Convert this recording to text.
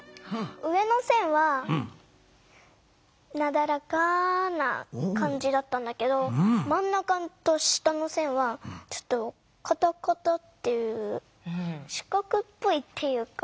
上の線はなだらかな感じだったんだけどまんなかと下の線はちょっとカタカタっていう四角っぽいっていうか。